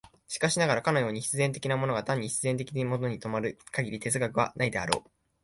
しかしながら、かように必然的なものが単に必然的なものに止まる限り哲学はないであろう。